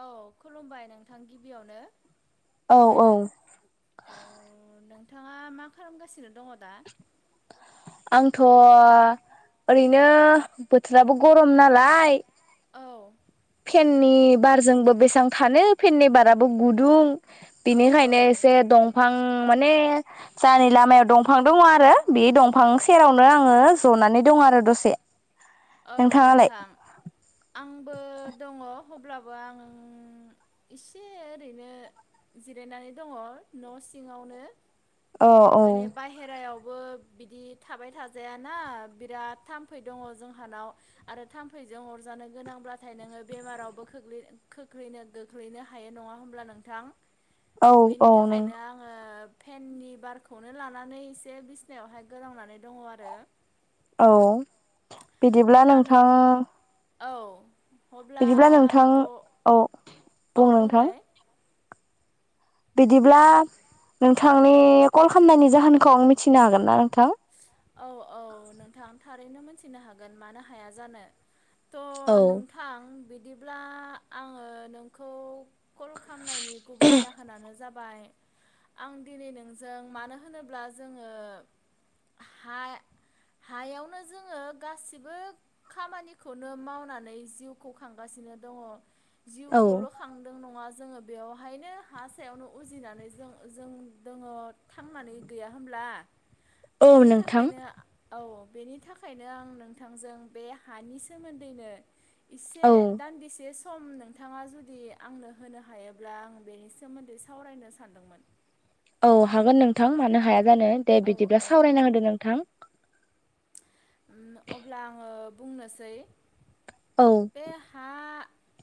औ खुलुमबाय नोंथां गिबियावनो औ औ अ नोंथाङा मा खालामगासिनो दङ दा। आंथ' ओरैनो बोथोराबो गरम नालाय औ फेननि बारजोंबो बेसेबां थानो फेननि बाराबो गुदुं औ बिनिखायनो औ एसे दंफां माने जानि लामायाव दंफां दङ आरो बे दंफां औ सेरावनो आङो जनानै दं आरो दसे औ नोंथाङालाय नोंथां आं बो दङ अब्लाबो आं एसे ओरैनो जिरायनानै दङ न' सिङावनो औ औ माने बाहेरायाव बो बिदि थाबाय थाजायाना बिराद थाम्फै दङ जों जाहोनाव आरो थाम्फैजों अरजानो गोनांब्लाथाय नोङो बेमारावबो खोख्लै खोख्लैनो गोख्लैनो हायो नङा होमब्ला नोंथां औ बेनि औ नों थाखायनो आङो। फेननि बारखौनो लानानै एसे बिसिनायावहाय गोलांनानै दङ आरो औ बिदिब्ला अब्ला नों नोंथाङा औ बिदिब्ला नोंथां अब्लाथ' औ औ बुं नोंथां बुंलाय बिदिब्ला नोंथांनि कल खालामनायनि जाहोनखौ आं मिथिनो हागोन ना नोंथां औ औ नोंथां थारैनो मिथिनो हागोन मानो हाया जानो थ' औ नोंथां बि बिदिब्ला आङो नोंखौ कल खालामनायनि गुबै जाहोनानो जाबाय आं दिनै नोंजों मानो होनोब्ला जोङो। हा हायावनो जोङो गासिबो खामानिखौनो मावनानै जिउखौ खांगासिनो दङ औ जिउखौल' खांदों नङा जोङो बेयावहायनो हा सायावनो उजिनानै जों जों दोङो थांनानै गैया होमब्ला औ बेनि नोंथां थाखायनो औ बेनि थाखायनो आं नोंथांजों बे हानि सोमोन्दैनो इसे औ दान्दिसे सम नोंथाङा जुदि आंनो होनो हायोब्ला आं बेनि सोमोन्दै सावरायनो सानदोंमोन औ हागोन नोंथां मानो हाया। जानो दे औ औ बिदिब्ला औ सावरायना होदो नोंथां। अब्ला आङो बुंनोसै। औ बे हा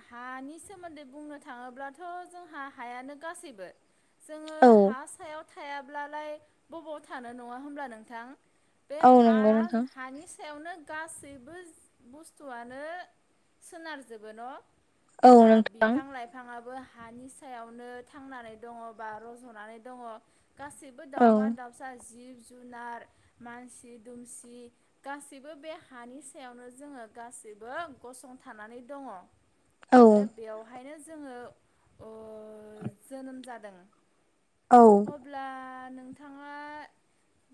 हानि सोमोन्दै बुंनो थाङोब्लाथ' जोंहा हायानो गासैबो। औ। थायाल्बालाय बबाव थानो नङा होमब्ला नोंथां। बे औ हा नंगौ नोंथां। हानि सायावनो गासैबो बुस्थुआनो सोनारजोबो न'? औ ना नोंथां बिफां लाइफाङाबो हानि सायावनो थांनानै दङ बा रज'नानै दङ। गासैबो औ दाउमा दाउसा जिब जुनार मानसि दुमसि गासैबो बे हानि सायावनो जोङो गासैबो गसंथानानै दङ। औ आरो बेवहायनो जोङो ओ जोनोम जादों। औ अब्ला नोंथाङा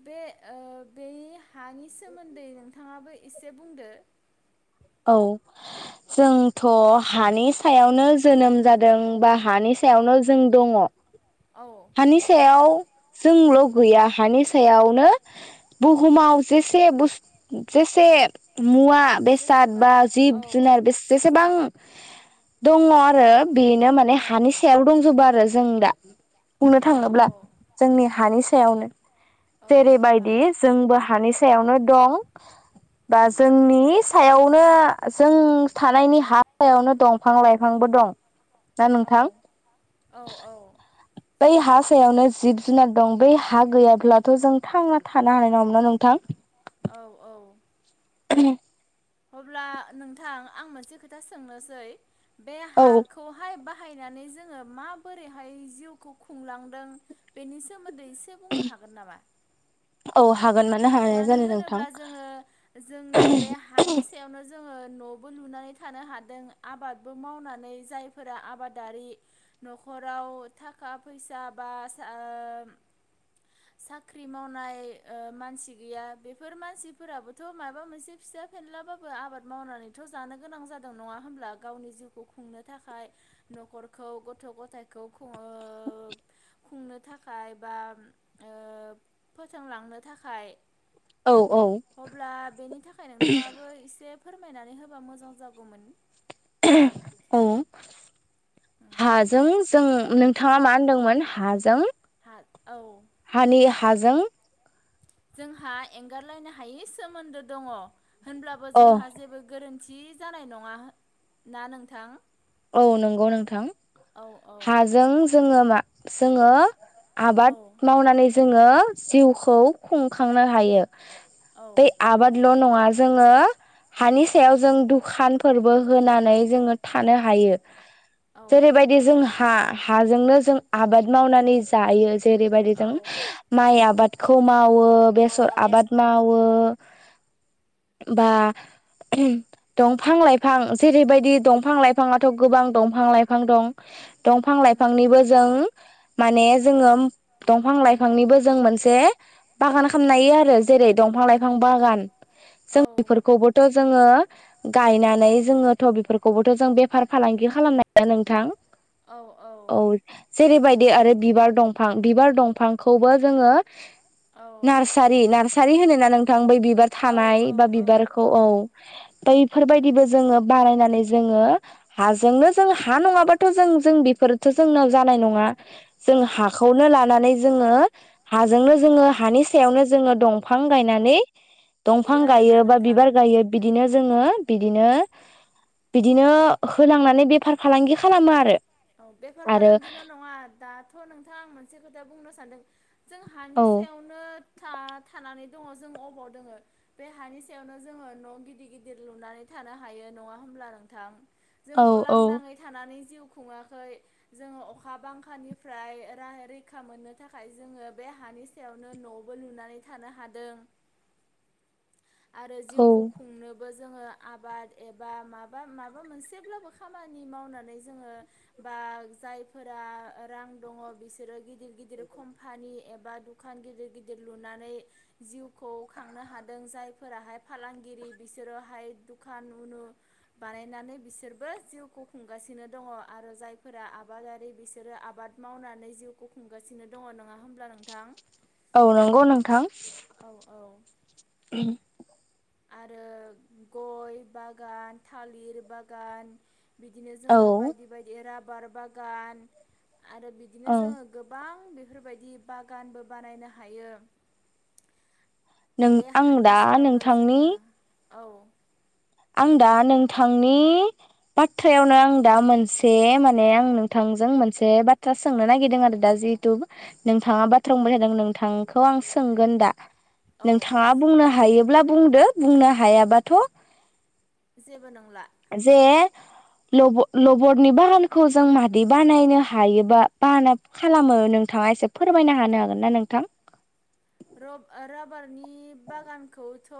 बे ओ बे हानि सोमोन्दै नोंथाङाबो इसे बुंदो। औ जोंथ' हानि सायावनो जोनोम जादों बा हानि सायावनो जों दङ। औ हानि सायाव जोंल' गैया हानि सायावनो बुहुमाव जेसे बुस जेसे मुवा बेसाद जेसेबां बा जिब औ जुनार बे जेसेबां दङ। आरो बेनो माने औ हानि सायाव दंजोबो आरो। जों दा। बुंनो औ थाङोब्ला औ जोंनि हानि सायावनो औ नोंथां जेरैबायदि जोंबो हानि सायावनो दं बा जोंनि सायावनो जों थानायनि हा हायावनो दंफां लाइफांबो दं। ना औ नोंथां औ औ। बै हा सायावनो ह- जिब जुनार दं बै हा गैयाब्लाथ' जों थांना थानो हानाय नङामोन नोंथां। औ औ। [unintelligible] अब्ला नोंथां आं मोनसे खोथा सोंनोसै। बे औ हाखौहाय बा बाहायनानै जोङो माबोरैहाय जिउखौ खुंलांदों बेनि सो सोमोन्दै एसे बुंनो हागोन नामा? औ हागोन हाया मानो जानो नोंथां होनोब्ला जोङो जोंनि बे हानि सायावनो जोङो नबो लुनानै थानो‌ हादों आबादबो मावनानै जायफोरा आबादारि नखराव थाखाय फैसा बा सा ओ साख्रि मावनाय ओ‌ मानसि गैया बेफोर मानसिफोराबोथ माबा मोनसे फिसा फेनलाबाबो आबाद मावनानैथ जानो गोनां जादों नङा होमब्ला गावनि जिउखौ खुंनो थाखाय नखरखौ गथ गथायखौ खुङोब खुंनो थाखाय बा ओ फोथांलांनो थाखाय। औ औ अब्ला बेनि थाखाय नोंथाङाबो एसे फोरमायनानै होबा मोजां जागौमोन। औ हाजों जों नोंथाङा मा होनदोंमोन हाजों हा औ हानि हाजों जोंहा एंगारलायनो हायै सोमोन्दो दङ। होनब्लाबो अ जोंहा जेबो गोरोन थि जानाय नङा ना नोंथां? औ नंगौ नोंथां औ औ हाजों जोङो [unintelligible] जोङो औ आबाद मावनानै जोङो जिउखौ खुंखांनो हायो। औ बे आबाद ल' नंआ जोङो हानि सायाव जों दुखानफोरबो होनानै जोङो थानो हा यो। औ जेरैबायदि जोंहा हाजोंनो जों आबाद मावनानै जायो। जेरैबायदि औ जों माइ आबाद खौ मावो बेसर आबाद मावो बा दंफां लाइफां जेरैबायदि दंफां लाइ फाङाथ' गोबां दंफां लाइफां दं दंफां उम लाइफांनिबो जों माने जोङो दंफां लाइफांनिबो जों मोनसे बागान खालामनोहायो आरो जेरै दंफां लाइफां बागान। जों औ बेफोरखौबोथ जोङो गायनानै जोङो थ' बेफोरखौबोथ' जों बे फार फालांगि खालामनो हायो नोंथां? औ औ। जेरैबायदि आरो बिबार दंफां बिबार दंफांखौबो जोङो औ नार्सारि नार्सारि होनो ना? नोंथां बै बिब बार औ थानाय बा बिबारखौ औ औ बै फोरबायदिबो जोङो बारायनानै जोङो हाजोंनो जों हा नङाबाथ' जों जों बेफोरथ' जोंनाव जानाय नङा। जों औ हाखौनो लानानै जोङो हाजोंनो जोङो हानि सायावनो जोङो दंफां गायनानै दंफां हायो आरोना गायो बा नोंथां बिबार गायो बिदिनो जोङो बिदिनो बिदिनो होनांनानै बेफार फालांगि खालामो आरो। औ बेफार आरो फालांगिल' नङा दाथ' नोंथां मोनसे खोथा बुंनो सानदों जों हानि औ सायावनो था थानानै दङ जों अबाव दोङो बे हानि सायावनो जोङो न' गिदिर गिदिर लुनानै थानो हायो नङा होमब्ला नोंथां? औ जोंथ' औ लांदाङै थानानै जिउ खुङाखै जोङो अखा बांखानिफ्राय राहायारि रैखा मोननो थाखाय जोङो बे हानि सायावनो न'बो लुनानै थानो हादों। आरो औ जिउखौ खुंनो बो जोङो आबाद एबा माबा माबा मोनसेब्लाबो खामानि मावनानै जोङो बा जायफोरा रां दङ बिसोरो गि दिर गिदिर कम्पानि एब बा दखान गिदिर गिदिर लुनानै जिउखौ खांनो हादों जाय फोराहाय फालांगिरि बिसोरोहाय दुखान उनु बानायनानै बिसोरबो जिउखौ खुंगासिनो दङ आरो जायफोरा आबादारि बिसोरो आबाद मावनानै जिउखौ खुंगासिनो दङ नङा होमब्ला नोंथां? औ नंगौ नोंथां। औ औ आरो गय बागान, थालिर बागान, बिदिनो औ जोङो बायदि बायदि रा बार बागान, आरो औ बिदिनो जोङो गोबां बेफोरबायदि बागानबो बानायनो हायो। नों बे आं हानि दा सायावनो नोंथांनि जोङो औ आं दा नोंथांनि बाथ्रायावनो आं दा मोनसे माने आं नोंथांजों मोनसे बाथ्रा सोंनो नागिरदों आरो दा जिहेथु नोंथाङा बाथ्रा बुंबाय थादों नोंथांखौ आं सोंगोन दा। औ नोंथाङा बुंनो हायोब्ला बुंदो बुंनो हायाबाथ' जेबो नंला। जे लब लबरनि बारनखौ जों मादै बानायनो हायोबा बाहाना खालामो नोंथाङा एसे फोरमायनो होनो हागोन ना नोंथां? रब ओ राबारनि बागानखौथ'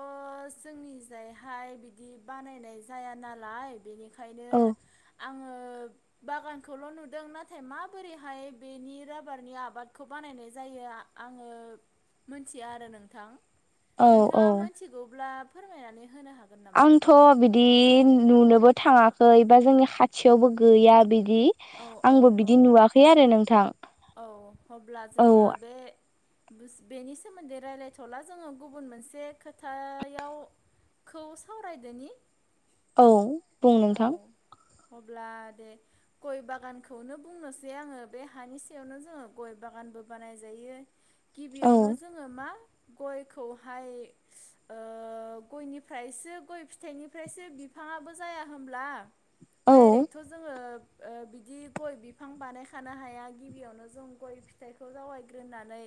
जोंनिजायहाय बिदि बानायनाय जाया नालाय बेनिखा यनो औ आङो ओ बागानखौल' नुदों नाथाय माबोरैहाय बेनि राबारनि आबादखौ बानायनाय जायो आङो मिथिया आरो नोंथां। औ नोंथाङा औ मिथिगौब्ला फोरमायनानै होनो हागोन नामा? आंथ' बिदि नुनोबो थाङाखै बा जोंनि खाथियावबो गैया बि दि औ औ आंबो औ बिदि नुवाखै आरो नोंथां औ अब्ला औ। जोङो बे बेनि सोमोन्दै रायज्लायथ'ला जोङो गुबुन मोनसे खोथायावखौ सावरायदोनि। औ। बुं औ नोंथां। अब्ला दे गय बागानखौनो बुंनोसै आङो बे हानि सायावनो जोङो गय बागानबो बानाय जायो। औ गिबियावनो जोङो मा गयखौहाय ओ गयनिफ्रायसो गय फिथाइनिफ्रायसो बिफाङाबो जाया होमब्ला? औ डाइरेक्टथ' जोङो ओ बिदि गय बिफां बानायखानो हाया गिबियावनो जों गय फिथाइखौ जावायग्रोनानै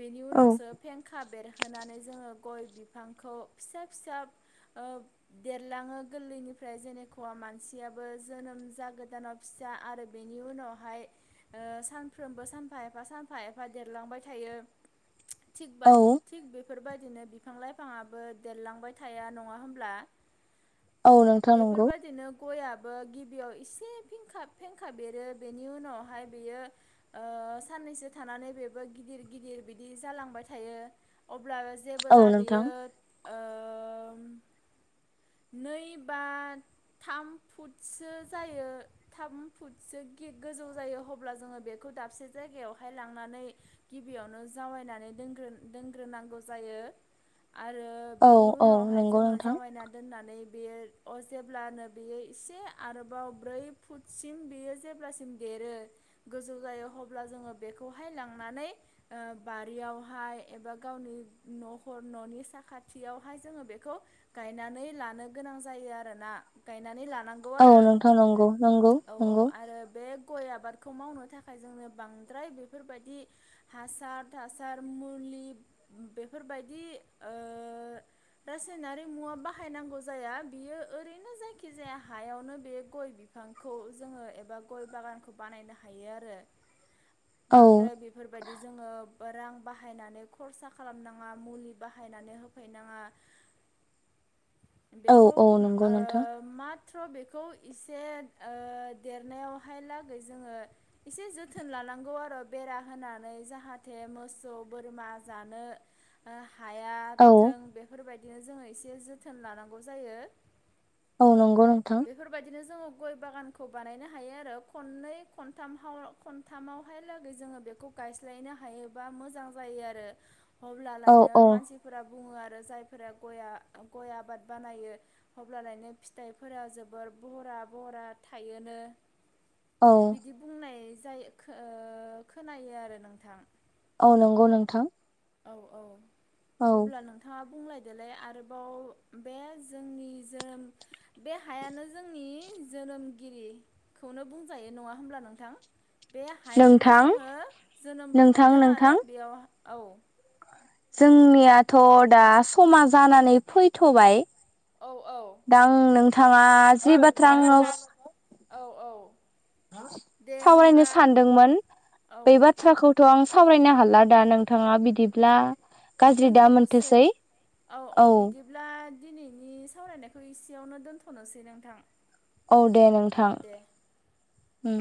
बेनि औ उनावसो फेंखा बेेर होनानै जोङो गय बिफांखौ फिसा फिसा ओ देरलाङो गोरलैनिफ्राय ओमफ्राय जेनेखवा मानसियाबो जोनोम जागोदानाव फिसा आरो बेनि उनावहाय सानफ्रोमबो सानफा एफा सानफा एफा देरलांबाय थायो। थि औ बाजि [unintelligible] बेफोरबायदिनो बिफां लाइफाङाबो देरलांबाय थाया नङा होमब्ला? औ नोंथां नंगौ। बेफोरबायदिनो गयाबो गिबियाव एसे फेंखाब फेंखाब एरो बेनि उनावहाय बेयो ओ साननैसो थानानै बेबो गिदिर गिदिर बिदि जालांबाय थायो। अब्लाबो जेबो औ नोंथां लाबोयो ओ नै बा, थाम फुटसो जायो थाम फुटसो गोजौ जायो अब्ला जोङो बेखौ दाबसे जायगायावहाय लांनानै गिबियावनो जावायनानै दोनग्रो दोनग्रोनांगौ जायो। आरो औ बेनि औ उनावहाय नंगौ जोङो नोंथां जावायना दोननानै बियो अ जेब्लानो बेयो एसे आरोबाव ब्रै फुटसिम बेयो जेब्लासिम देरो गोजौ जायो अब्ला जोङो बेखौहाय लांनानै बारियावहाय एबा गावनि न'र न'नि साखाथियावहाय जोङो बेखौ गायनानै लानो गोनां जायो। जायो आरोना गायनानै लानांगौ औ आरो नोंथां नंगौ नंगौ औ औ नंगौ आरो बे गय आबादखौ मावनो थाखाय जोंनो बांद्राय बेफोरबायदि हासार थासार मुलि बेफोरबायदि ओ रासायनारि मुवा बाहायनांगौ जाया। बियो ओरैनो जायखिजाया हायावनो बे गय बिफांखौ जोङो एबा गय बागानखौ बानायनो हायो आरो। औ बांद्राय बेफोरबायदि जोङो रां बाहायनानै खरसा खालामनाङा मुलि बाहायनानै होफैनाङा। औ बेखौ औ नंगौ ओ नोंथां। माथ्र' बेखौ एसे ओ देरनायावहाय लागै जोङो एसे जोथोन लानांगौ आरो बेरा होनानै जाहाथे मोसौ बोरमा जानो। औ हायाथों बेफोरबायदि बिदिनो जोङो एसे जोथोन लानांगौ जायो औ नंगौ नोंथां बेफोरबायदिनो जोङो गय बागानखौ बानायनो हायो आरो खननै खनथाम- खनथामावहाय लागै जोङो बेखौ गायस्लायनो हायोबा मोजां जायो आरो। अब्ला औ लायनो औ मानसिफोरा बुङो आरो जायफोरा गया गय आबाद बानायो अब्लालायनो फिथाइफोरा जोबोर बहरा-बहरा थायोनो औ बिदि बुंनाय जायो खो-खोनायो आरो नोंथां। औ नंगौ नोंथां औ-औ औ अब्ला नोंथाङा बुंलायदोलाय आरोबाव बे जोंनि जोनोम बे हायानो जोंनि जोनोमगिरिखौनो बुंजायो नङा होमब्ला नोंथां। बे हायावनो नोंथां जोङो जोनोमबो नोंथां मोनदों आरो नोंथां बेयाव औ जोंनियाथ दा समा जानानै फैथबाय औ औ दा आं नोंथा थाङा जि बाथ्रा आंनाव सो औ-औ हा सावरायनो सानदोंमोन औ बे बाथ्राखौथ आं सावरायनो हाला दा नोंथाङा बिदिब्ला गाज्रि दा दोनथनोसै मोनथोसै औ-औ औ बिदिब्ला दिनैनि सावरायनायखौ एसेयावनो दोनथनोसै नोंथां। औ दे नों दे उम